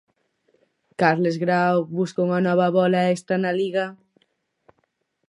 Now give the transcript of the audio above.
Carles Grau busca unha nova bóla extra na Liga.